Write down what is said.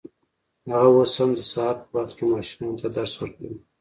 هغه اوس هم د سهار په وخت کې ماشومانو ته درس ورکوي